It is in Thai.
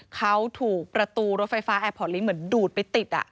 เขาถูกประตูรถไฟฟ้าแอร์พอร์ตลิงค์เหมือนดูดไปติด